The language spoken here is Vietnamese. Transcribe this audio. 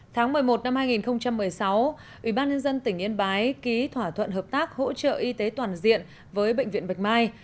tháng một mươi một năm hai nghìn một mươi sáu ubnd tỉnh yên bái ký thỏa thuận hợp tác hỗ trợ y tế toàn diện với bệnh viện bạch mai